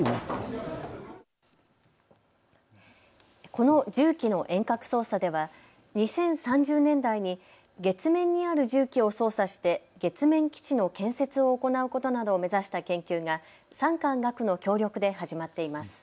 この重機の遠隔操作では２０３０年代に月面にある重機を操作して月面基地の建設を行うことなどを目指した研究が産官学の協力で始まっています。